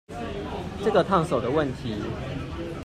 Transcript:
這個燙手的問題